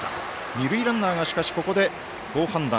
二塁ランナーがここで好判断。